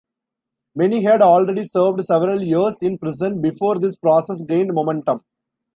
Many had already served several years in prison before this process gained momentum.